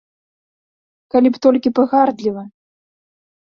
Калі б толькі пагардліва!